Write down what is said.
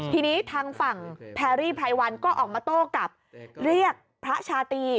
ทีนี้ทางฝั่งแพรรี่ไพรวันก็ออกมาโต้กลับเรียกพระชาตรี